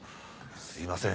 すいません。